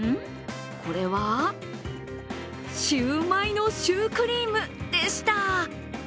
これは、シューマイのシュークリームでした。